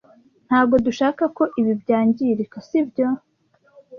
Ntago dushaka ko ibi byangirika, sibyo?